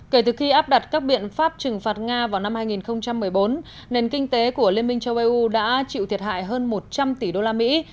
kể từ khi áp đặt các biện pháp trừng phạt nga vào năm hai nghìn một mươi bốn nền kinh tế của liên minh châu âu đã chịu thiệt hại hơn một trăm linh tỷ đô la mỹ